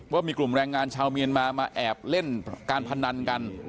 ว่ามีกลุ่มแรงงานชาวเมียนมามาแอบเล่นการพนันกัน